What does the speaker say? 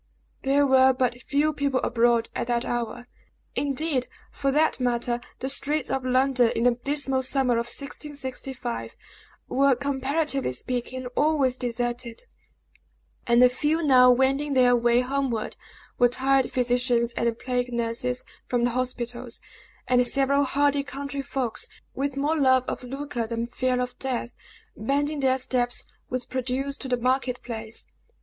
There were but few people abroad at that hour; indeed, for that matter, the streets of London, in the dismal summer of 1665, were, comparatively speaking, always deserted; and the few now wending their way homeward were tired physicians and plague nurses from the hospitals, and several hardy country folks, with more love of lucre than fear of death bending their steps with produce to the market place.